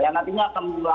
yang nantinya akan dilakukan